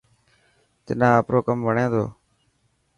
تنا آپرو ڪم وڻي ٿو.